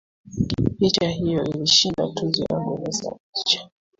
picha hiyo ilishinda tuzo ya bonyeza picha